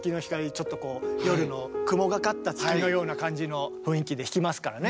ちょっとこう夜の雲がかった月のような感じの雰囲気で弾きますからね。